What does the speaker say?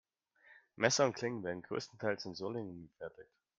Messer und Klingen werden größtenteils in Solingen gefertigt.